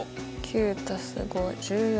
９＋５は１４。